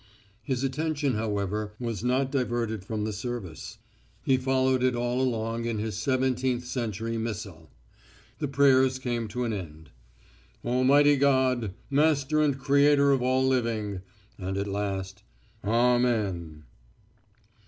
His attention, however, was not diverted from the service. He followed it all along in his seventeenth century missal. The prayers came to an end: "Almighty God, Master and Creator of all living." And at last, "Amen."